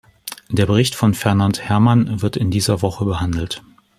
Der Bericht von Fernand Herman wird in dieser Woche behandelt.